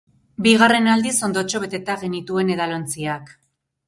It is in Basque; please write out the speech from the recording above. Bigarren aldiz ondotxo beteta genituen edalontziak.